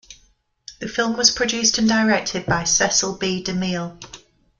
The film was produced and directed by Cecil B. DeMille.